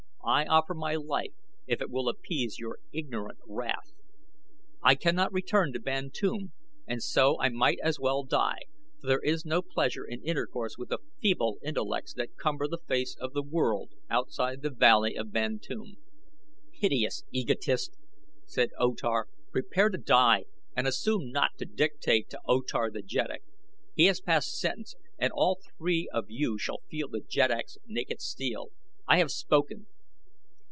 I offer my life if it will appease your ignorant wrath. I cannot return to Bantoom and so I might as well die, for there is no pleasure in intercourse with the feeble intellects that cumber the face of the world outside the valley of Bantoom." "Hideous egotist," said O Tar, "prepare to die and assume not to dictate to O Tar the jeddak. He has passed sentence and all three of you shall feel the jeddak's naked steel. I have spoken!"